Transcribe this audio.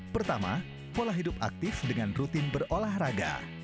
pertama pola hidup aktif dengan rutin berolahraga